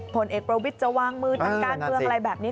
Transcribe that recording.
ผลเอกประวิทย์จะวางมือทางการเมืองอะไรแบบนี้